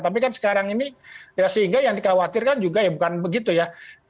tapi kan sekarang ini ya sehingga yang dikhawatirkan juga ya bukan begitu ya